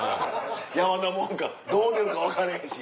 山のもんかどう出るか分かれへんし。